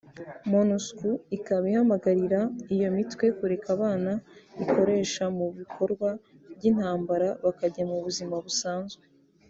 Monusco ikaba ihamagarira iyo mitwe kureka abana ikoresha mu bikorwa by’intambara bakajya mu buzima busanzwe